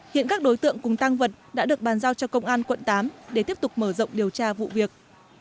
hiện các đối tượng cùng tăng vật đã được bàn giao cho công an quận tám để tiếp tục mở rộng điều tra vụ việc